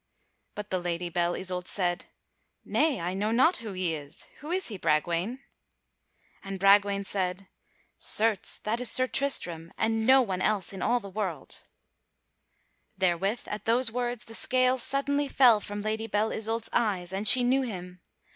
But the Lady Belle Isoult said: "Nay, I know not who he is. Who is he, Bragwaine?" And Bragwaine said: "Certes, that is Sir Tristram, and no one else in all the world." [Sidenote: Belle Isoult knows Sir Tristram] Therewith, at those words, the scales suddenly fell from Lady Belle Isoult's eyes and she knew him.